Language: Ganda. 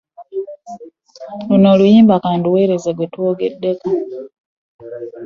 Luno oluyimba ka nduweereze gwe twogeddeko.